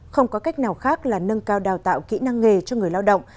không có cách nào khác là nâng cao đào tạo kỹ năng nghề cho người lao động